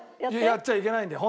やっちゃいけないんだよ